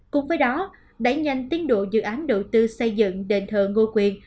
cùng với đó đẩy nhanh tiến độ dự án đầu tư xây dựng đền thờ ngô quyền